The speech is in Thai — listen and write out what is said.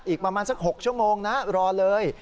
อีกประมาณสัก๖ชั่วโมงนะรอเลย